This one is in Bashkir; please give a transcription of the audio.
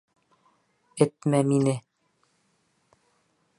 Этмәмине!